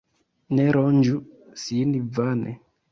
Ne ronĝu sin vane.